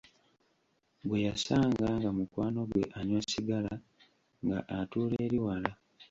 Bwe yasanga nga mukwano gwe anywa sigala, nga atuula eri wala!